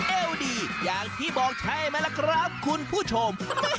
เอวดีอย่างที่บอกใช่ไหมล่ะครับคุณผู้ชม